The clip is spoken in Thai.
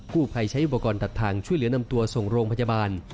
ผู้ภัยใช้อุปกรณ์ตัดทางช่วยเหลือนำตัวส่งโรงพยาบาล